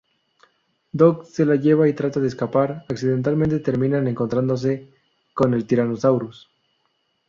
Doc se la lleva y trata de escapar, accidentalmente terminan encontrándose con el Tyrannosaurus.